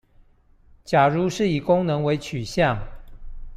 假如是以功能為取向